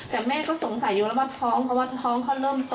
แต่แม่ก็สงสัยอยู่แล้วว่าท้องเพราะว่าท้องเขาเริ่มโต